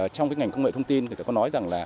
trong ngành công nghệ thông tin